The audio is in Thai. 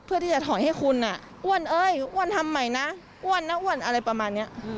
ที่จะถอยให้คุณอ้วนเอ้ยอ้วนทำใหม่นะอ้วนนะอ้วนอะไรประมาณนี้